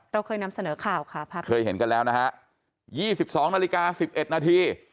เราเคยนำเสนอข้าวครับครับเคยเห็นกันแล้วนะฮะยี่สิบสองนาฬิกาสิบเอ็ดนาที